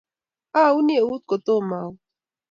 Auni eut kotomo awe